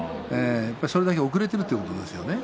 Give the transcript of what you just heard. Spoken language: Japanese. それだけ遅れているということですよね。